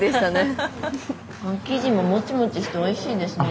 生地もモチモチしておいしいですね。